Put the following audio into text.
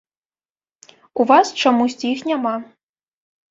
У вас чамусьці іх няма.